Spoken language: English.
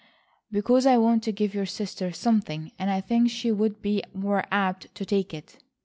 "Because I want to give your sister something, and I think she would be more apt to take it."